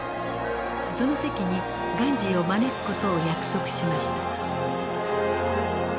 その席にガンジーを招く事を約束しました。